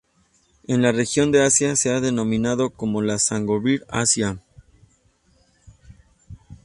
En la región de Asia, se ha denominado como la Songbird Asia.